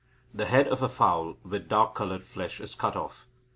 The head of a fowl with dark coloured flesh is cut off.